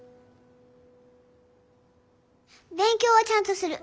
勉強はちゃんとする。